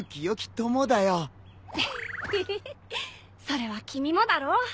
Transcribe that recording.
それは君もだろ。